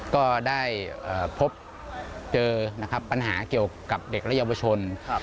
ก็ได้พบเจอนะครับปัญหาเกี่ยวกับเด็กและเยาวชน